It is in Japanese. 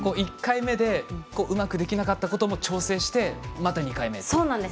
１回目でうまくできなかったことも調整して、また２回目。